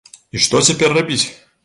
І што цяпер рабіць?